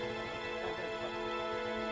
ya yaudah kamu jangan gerak deh ya